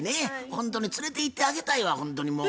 ほんとに連れていってあげたいわほんとにもう。